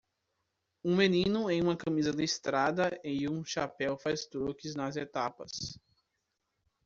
Um menino em uma camisa listrada e um chapéu faz truques nas etapas.